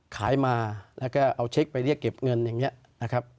ขายมาแล้วก็เอาเช็คไปเรียกเก็บเงินอย่างนี้นะครับ